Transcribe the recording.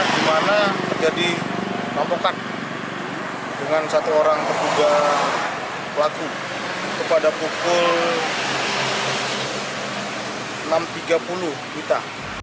dimana terjadi lampokan dengan satu orang terduga pelaku kepada pukul enam tiga puluh kita